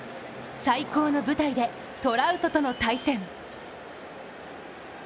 最高の舞台でトラウトとの対戦。